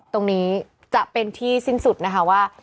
ตรงนี้จะเป็นที่สิ้นสุดนะคะว่า